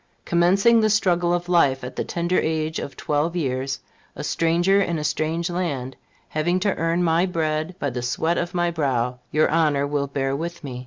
Commencing the struggle of life at the tender age of twelve years, a stranger in a strange land, having to earn my bread by the sweat of my brow, your Honor will bear with me.